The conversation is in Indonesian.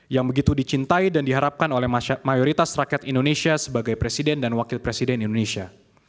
yang begitu dicintai dan diharapkan oleh mayoritas rakyat indonesia sebagai presiden dan wakil presiden indonesia